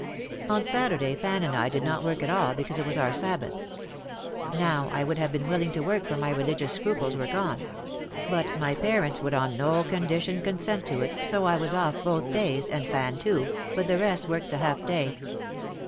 On Saturday Fan and I did not work at all because it was our Sabbath. Now I would have been willing to work for my religious scruples were gone. But my parents would on no conditions consent to it so I was off both days and Fan too, but the rest worked the half day.